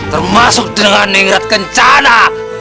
termasuk dengan ngerat kencana